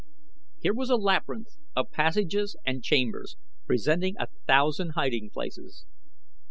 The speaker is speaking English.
Here was a labyrinth of passages and chambers presenting a thousand hiding places.